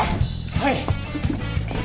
はい。